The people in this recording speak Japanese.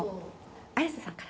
綾瀬さんから。